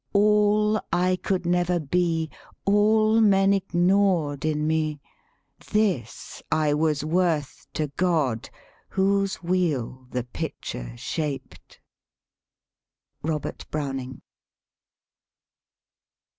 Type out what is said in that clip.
47 THE SPEAKING VOICE All I could never be, All, men ignored in me, This, I was worth to God, whose wheel the pitchjer shaped." ROBERT BROWNING.